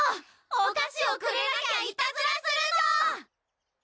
お菓子をくれなきゃいたずらするぞ！